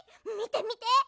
みてみて！